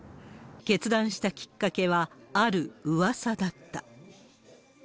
決断したきっかけは、あるうわさだった。